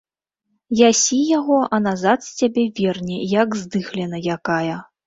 Ясі яго, а назад з цябе верне, як здыхліна якая.